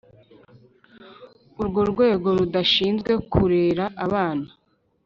Urwo rwego rudashinzwe kurera abana